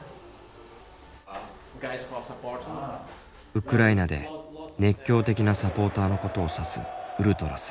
ウクライナで熱狂的なサポーターのことを指すウルトラス。